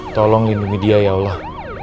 tolong lindungi dia ya allah